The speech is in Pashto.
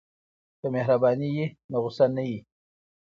که مهرباني وي نو غوسه نه وي.